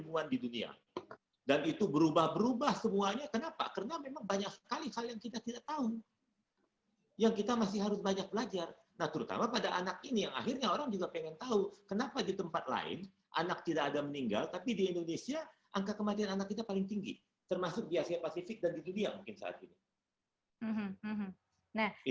ilmuwan di dunia dan itu berubah berubah semuanya kenapa karena memang banyak sekali hal yang kita tidak tahu yang kita masih harus banyak belajar nah terutama pada anak ini yang akhirnya orang juga pengen tahu kenapa di tempat lain anak tidak ada meninggal tapi di indonesia angka kematian anak kita paling tinggi termasuk di asia pasifik dan di dunia mungkin saat ini